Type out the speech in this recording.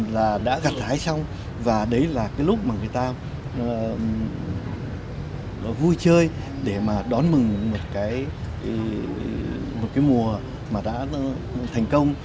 là đã gặt hái xong và đấy là cái lúc mà người ta vui chơi để mà đón mừng một cái mùa mà đã thành công